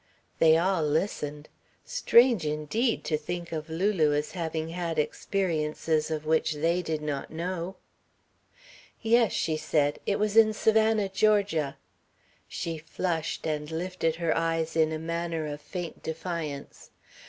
They all listened. Strange indeed to think of Lulu as having had experiences of which they did not know. "Yes," she said. "It was in Savannah, Georgia." She flushed, and lifted her eyes in a manner of faint defiance.